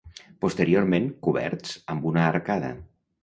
Posteriorment coberts amb una arcada.